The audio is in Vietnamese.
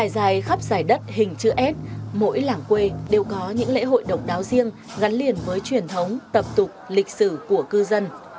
dài khắp dài đất hình chữ s mỗi làng quê đều có những lễ hội độc đáo riêng gắn liền với truyền thống tập tục lịch sử của cư dân